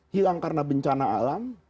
hilang karena bencana alam